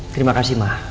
terima kasih ma